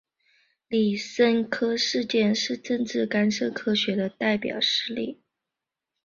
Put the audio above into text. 李森科事件是政治干涉科学的代表事例。